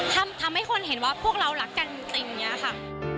ทำให้คนเห็นว่าพวกเรารักกันจริงอย่างนี้ค่ะ